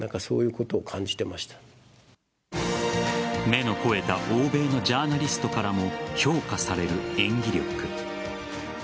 目の肥えた欧米のジャーナリストからも評価される演技力。